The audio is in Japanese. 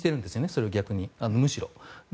それを逆にむしろ。